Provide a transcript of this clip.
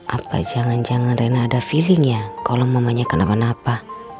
apa jangan jangan rena ada feelingnya tolong memanya kenapa napa